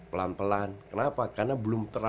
pelan pelan kenapa karena belum terlalu